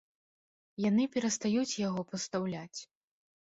Яны перастаюць яго пастаўляць.